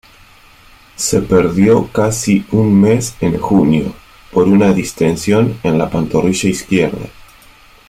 Se perdió casi un mes en junio, por una distensión en la pantorrilla izquierda.